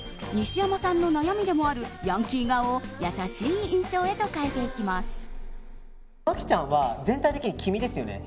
西山さんの悩みでもあるヤンキー顔を優しい印象へと変えていきます。